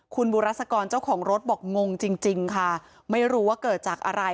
คุณบุรัศกรเจ้าของรถบอกงงจริงค่ะไม่รู้ว่าเกิดจากอะไร